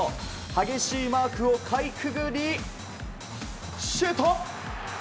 激しいマークをかいくぐりシュート！